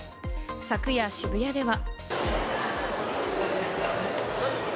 昨夜、渋谷では。